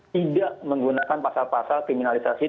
tidak menggunakan pasal pasal kriminalisasi